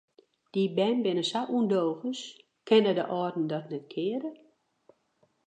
Dy bern binne sa ûndogens, kinne de âlden dat net keare?